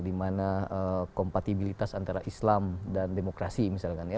dimana kompatibilitas antara islam dan demokrasi misalkan ya